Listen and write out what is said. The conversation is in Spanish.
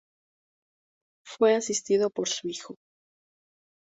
Fue asistido por su hijo.